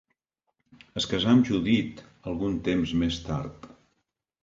Es casà amb Judit algun temps més tard.